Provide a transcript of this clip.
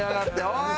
おい！